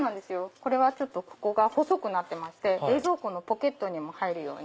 ここが細くなってまして冷蔵庫のポケットにも入るように。